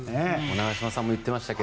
長嶋さんも言ってましたが。